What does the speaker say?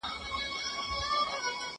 دا پوښتنه له هغه اسانه ده!.